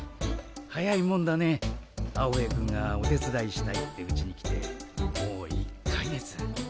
早いもんだねアオベエくんがお手伝いしたいってうちに来てもう１か月。